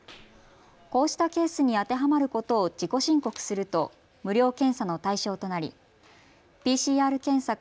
こうしたケースに当てはまることを自己申告すると無料検査の対象となりＰＣＲ検査か